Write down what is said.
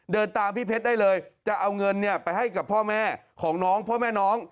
เดินตามพี่เพชรได้เลยจะเอาเงินไปให้กับพ่อแม่ของน้องพ่อแม่น้อง